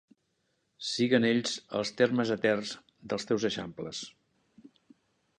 Siguen ells els térmens eterns dels teus eixamples.